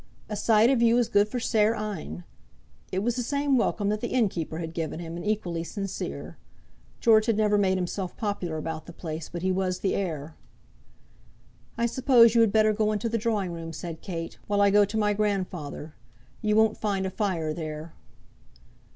"A sight of you is good for sair een." It was the same welcome that the inn keeper had given him, and equally sincere. George had never made himself popular about the place, but he was the heir. "I suppose you had better go into the drawing room," said Kate; "while I go to my grandfather. You won't find a fire there."